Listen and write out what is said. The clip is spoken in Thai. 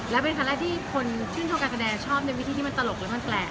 แล้วเป็นคำแรกที่คนที่ชื่นโทรการแกดาษชอบในวิธีที่มันตลกแล้วมันแปลก